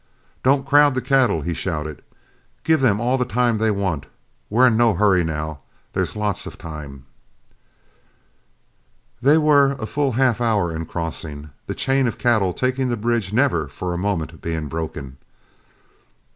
"Don't crowd the cattle," he shouted. "Give them all the time they want. We're in no hurry now; there's lots of time." They were a full half hour in crossing, the chain of cattle taking the bridge never for a moment being broken.